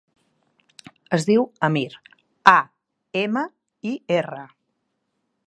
Es diu Amir: a, ema, i, erra.